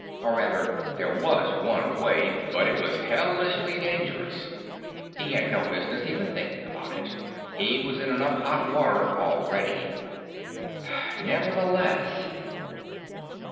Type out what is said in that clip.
Or, rather, there was one way, but it was hellishly dangerous. He had no business even thinking about. He was in enough hot water already. Nevertheless....